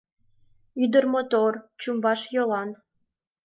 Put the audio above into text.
Ӱдыр мотор — чумбаш йолан